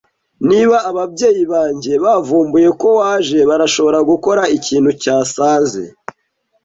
Niba ababyeyi banjye bavumbuye ko waje, barashobora gukora ikintu cyasaze.